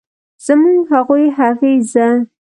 زموږ، هغوی ، هغې ،زه